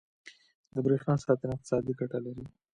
• د برېښنا ساتنه اقتصادي ګټه لري.